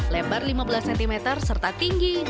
lebar lima belas cm serta tinggi dua puluh tiga cm